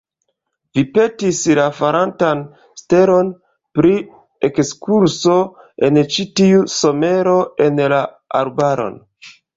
Vi petis la falantan stelon pri ekskurso en ĉi tiu somero en la arbaron.